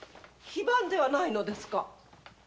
非番ではないのですか？